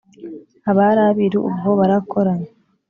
abari abiru ubwo barakoranye